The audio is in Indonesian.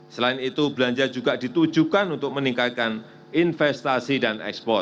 selain itu belanja juga ditujukan untuk meningkatkan investasi dan ekspor